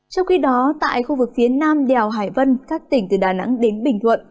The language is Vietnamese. trong khi đó tại khu vực phía nam đèo hải vân các tỉnh từ đà nẵng đến bình thuận